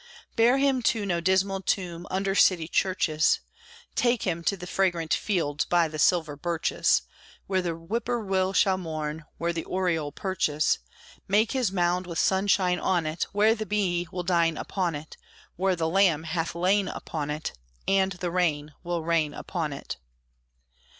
Bear him to no dismal tomb under city churches; Take him to the fragrant fields, by the silver birches, Where the whippoorwill shall mourn, where the oriole perches: Make his mound with sunshine on it, Where the bee will dine upon it, Where the lamb hath lain upon it, And the rain will rain upon it.